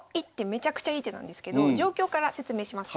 めちゃくちゃいい手なんですけど状況から説明します。